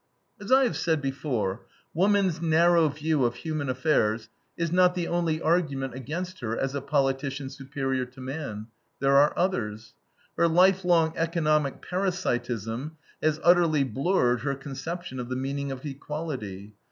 As I have said before, woman's narrow view of human affairs is not the only argument against her as a politician superior to man. There are others. Her life long economic parasitism has utterly blurred her conception of the meaning of equality.